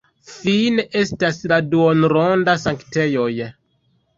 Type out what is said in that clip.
Fine estas la duonronda sanktejoj.